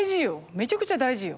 めちゃくちゃ大事よ。